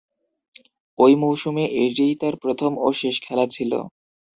ঐ মৌসুমে এটিই তাঁর প্রথম ও শেষ খেলা ছিল।